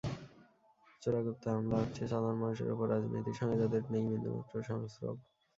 চোরাগোপ্তা হামলা হচ্ছে সাধারণ মানুষের ওপর—রাজনীতির সঙ্গে যাদের নেই বিন্দুমাত্র সংস্রব।